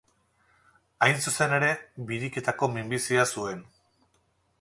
Hain zuzen ere, biriketako minbizia zuen.